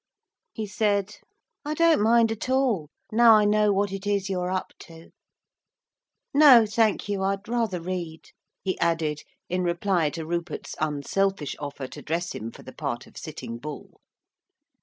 He said: 'I don't mind at all, now I know what it is you're up to. No, thank you, I'd rather read,' he added, in reply to Rupert's unselfish offer to dress him for the part of Sitting Bull.